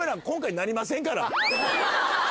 今回なりませんから！